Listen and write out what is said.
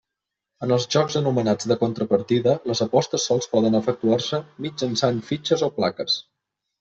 En els jocs anomenats de contrapartida, les apostes sols poden efectuar-se mitjançant fitxes o plaques.